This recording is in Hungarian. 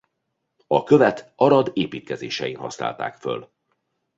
A követ Arad építkezésein használták föl.